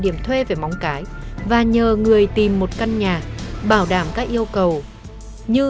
việc thuê tàu được thúc giục rất gấp gáp